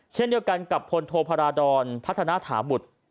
เช่นเดียวกันกับพลโทพาราดรพัฒนาถาบุตร